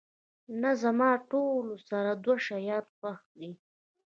نه، زما ټول سره دوه شیان خوښ دي.